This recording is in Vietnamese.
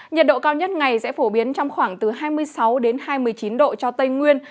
nhiệt độ cao nhất ngày sẽ phổ biến trong khoảng từ hai mươi sáu hai mươi chín độ cho tây nguyên